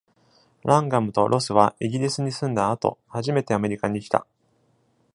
ランガムとロスは、イギリスに住んだ後、初めてアメリカに来た。